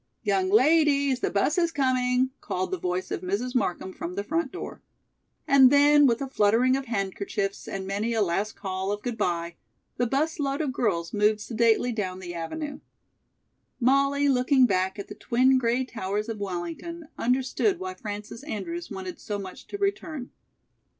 "Young ladies, the bus is coming," called the voice of Mrs. Markham from the front door. And then, with a fluttering of handkerchiefs and many a last call of "good bye," the bus load of girls moved sedately down the avenue. Molly, looking back at the twin gray towers of Wellington, understood why Frances Andrews wanted so much to return.